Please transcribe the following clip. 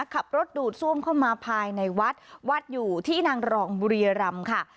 ขับรถดูดซ่วมเข้ามาภายในวัดวัดอยู่ที่นางรองบุรียรำค่ะ